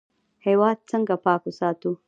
هیواد څنګه پاک وساتو؟